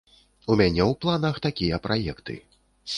У мяне ў планах такія праекты.